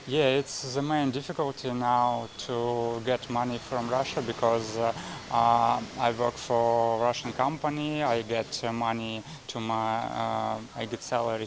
ya ini adalah kesulitan terutama sekarang untuk mendapatkan uang dari rusia karena saya bekerja untuk perusahaan rusia